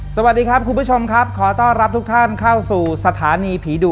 สวัสดีครับคุณผู้ชมครับขอต้อนรับทุกท่านเข้าสู่สถานีผีดุ